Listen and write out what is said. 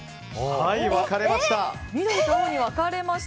はい、分かれました。